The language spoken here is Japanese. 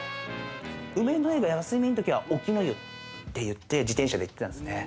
梅の湯が休みのときはのきの湯って言って自転車で行ってたんですね。